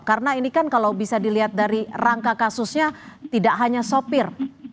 karena ini kan kalau bisa dilihat dari rangka kasusnya tidak hanya sopir